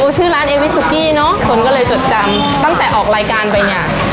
ชื่อร้านเอวิสุกี้เนอะคนก็เลยจดจำตั้งแต่ออกรายการไปเนี่ย